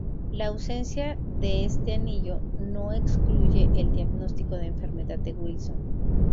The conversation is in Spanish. La ausencia de este anillo no excluye el diagnóstico de enfermedad de Wilson.